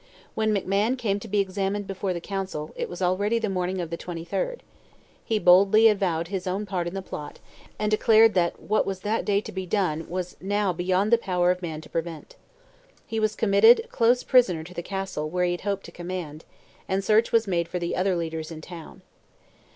When McMahon came to be examined before the Council, it was already the morning of the 23rd; he boldly avowed his own part in the plot, and declared that what was that day to be done was now beyond the power of man to prevent. He was committed close prisoner to the Castle where he had hoped to command, and search was made for the other leaders in town.